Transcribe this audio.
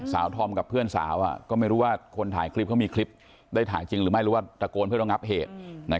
ทอมกับเพื่อนสาวก็ไม่รู้ว่าคนถ่ายคลิปเขามีคลิปได้ถ่ายจริงหรือไม่รู้ว่าตะโกนเพื่อระงับเหตุ